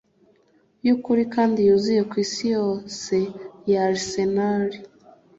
yukuri kandi yuzuye kwisi yose ya Arsenal